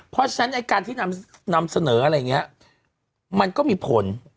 เพราะฉะนั้นไอ้การที่นำเสนออะไรอย่างนี้มันก็มีผล